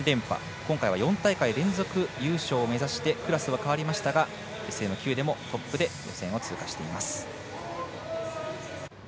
今大会は４大会連続優勝を目指してクラスは変わりましたがＳＭ９でもトップで予選を通過しています。